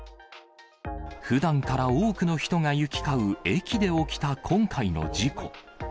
ふだんから多くの人が行き交う駅で起きた今回の事故。